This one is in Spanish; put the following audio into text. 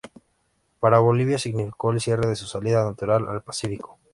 Para Bolivia significó el cierre de su salida natural al Pacífico.